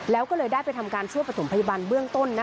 แล้วก็เลยได้ไปทำการช่วยประถมพยาบาลเบื้องต้น